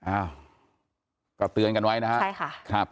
อ้าวก็เตือนกันไว้นะครับ